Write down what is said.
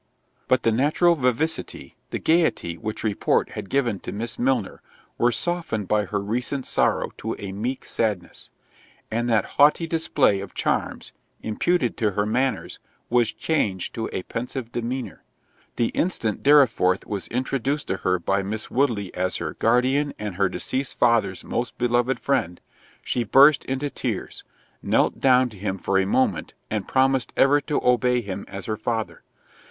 But the natural vivacity, the gaiety which report had given to Miss Milner, were softened by her recent sorrow to a meek sadness—and that haughty display of charms, imputed to her manners, was changed to a pensive demeanor. The instant Dorriforth was introduced to her by Miss Woodley as her "Guardian, and her deceased father's most beloved friend," she burst into tears, knelt down to him for a moment, and promised ever to obey him as her father.